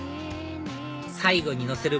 最後にのせる